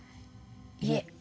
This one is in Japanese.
いえ。